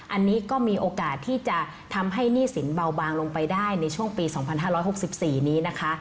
อันนี้ก็มีโอกาสที่จะทำให้หนี้สินเบาบางลงไปได้ในช่วงปี๒๕๖๔นี้นะคะ